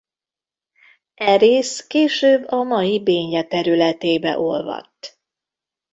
E rész később a mai Bénye területébe olvadt.